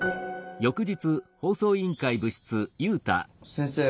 先生